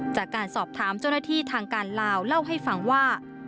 จากการสอบถามเจ้าหน้าที่ทางการลาวเล่าให้ฟังว่า